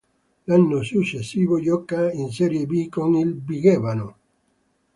L'anno successivo gioca in Serie B con il Vigevano.